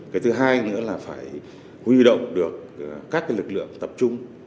cái thứ hai nữa là phải huy động được các lực lượng tập trung